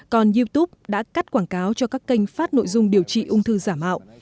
còn youtube đã cắt quảng cáo cho các kênh phát nội dung điều trị ung thư giả mạo